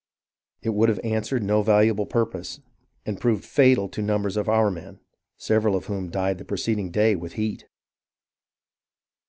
It would have answered no valuable purpose, and proved fatal to numbers of our men, — several of whom died the preceding day with heat.